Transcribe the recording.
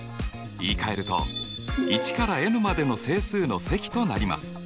言いかえると１からｎまでの整数の積となります。